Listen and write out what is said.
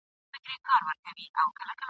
ستا د علم او منطق سره ده سمه !.